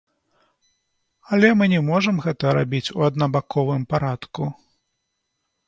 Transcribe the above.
Але мы не можам гэта рабіць у аднабаковым парадку.